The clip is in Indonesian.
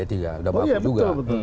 oh iya betul betul